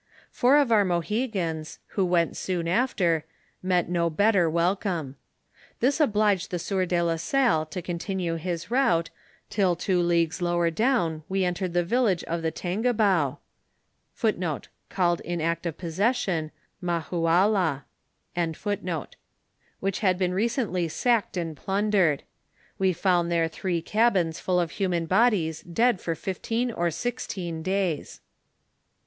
Four of our Mohegans, who went soon after, met no better welcome. This obliged the sieur de la Salle to con tinue his route, till two leagues lower down, we entered a vil lage of the Tangibao,* which had been recently sacked and plundered ; we found there three cabins full of human bodies dead for fifteen or sixteen days.